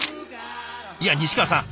いや西川さん